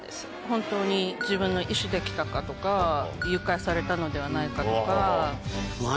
本当に自分の意思で来たかとか誘拐されたのではないかとか。